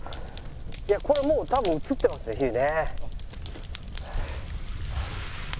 いやこれもう多分移ってますね火ね。